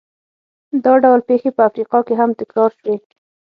دا ډول پېښې په افریقا کې هم تکرار شوې.